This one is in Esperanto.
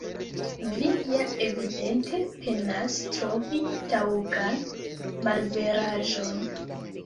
Vi ja evidente penas trovi taŭgan malveraĵon.